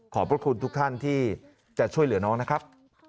พระคุณทุกท่านที่จะช่วยเหลือน้องนะครับ